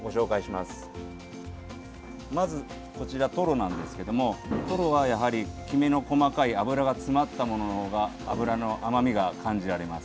まず、こちらトロなんですけれどもトロはやはりキメの細かい脂が詰まったものの方が脂の甘みが感じられます。